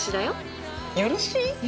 よろしい。